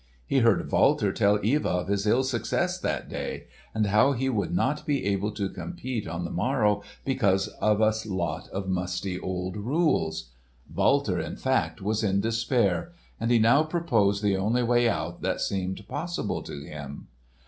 He heard Walter tell Eva of his ill success that day, and how he would not be able to compete on the morrow because of a lot of musty old rules. Walter, in fact, was in despair and he now proposed the only way out that seemed possible to him.